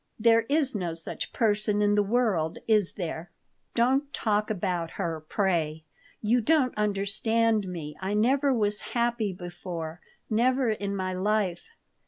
"There is no such person in the world, is there?" "Don't talk about her, pray. You don't understand me. I never was happy before. Never in my life."